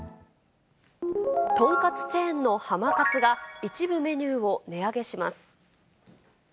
豚カツチェーンのはまかつが、一部メニューを値上げします。